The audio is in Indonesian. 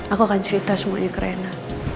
aku akan cerita semuanya ke rena